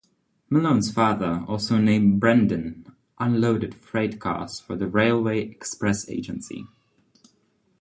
Malone's father, also named Brendan, unloaded freight cars for the Railway Express Agency.